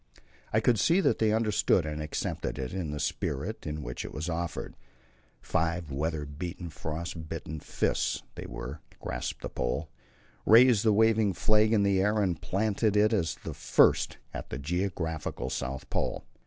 I could see that they understood and accepted it in the spirit in which it was offered. Five weather beaten, frost bitten fists they were that grasped the pole, raised the waving flag in the air, and planted it as the first at the geographical South Pole.